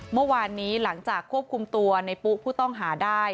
เมื่อวานนี้หลังจากควบคุมตัวในปุ๊ผู้ต้องหาได้